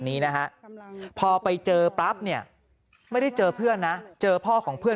นี้นะฮะพอไปเจอปั๊บเนี่ยไม่ได้เจอเพื่อนนะเจอพ่อของเพื่อน